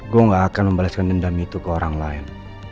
gue gak akan membalaskan dendam itu ke orang lain